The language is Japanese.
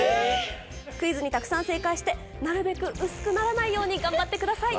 クイズにたくさん正解してなるべくうすくならないように頑張ってください。